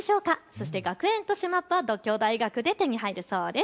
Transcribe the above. そして学園都市マップは獨協大学で手に入るそうです。